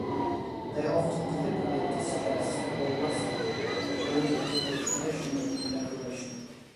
They are often deliberately distressed or rusted, alluding to the traditional decoration.